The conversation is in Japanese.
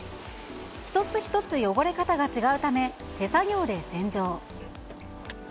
一つ一つ汚れ方が違うため、手作業で洗浄。